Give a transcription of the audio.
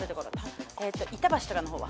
板橋とかの方は？